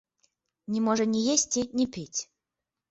Не можа ні есці, ні піць.